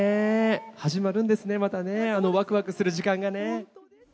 始まるんですね、またね、あのわくわくする時間がね。